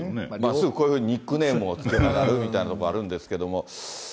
すぐこういうふうにニックネームを付けたがるというところがあるんですけれども。